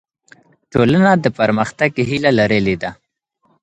ټولنه د پرمختګ هیله لرلې ده.